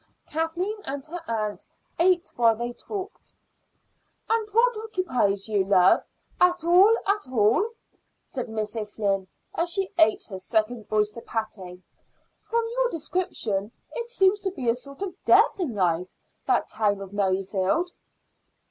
Kathleen and her aunt ate while they talked. "And what occupies you, love, at all at all?" said Miss O'Flynn as she ate her second oyster patty. "From your description it seems to be a sort of death in life, that town of Merrifield."